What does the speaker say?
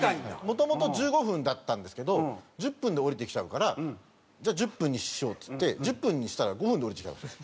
もともと１５分だったんですけど１０分で降りてきちゃうからじゃあ１０分にしようっつって１０分にしたら５分で降りてきたんですよ。